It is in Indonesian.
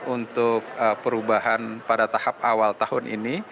untuk perubahan pada tahap awal tahun ini